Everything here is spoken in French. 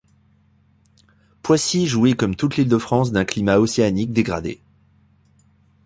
Poissy jouit comme toute l'Île-de-France d'un climat océanique dégradé.